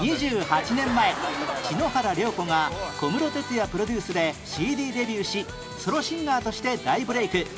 ２８年前篠原涼子が小室哲哉プロデュースで ＣＤ デビューしソロシンガーとして大ブレーク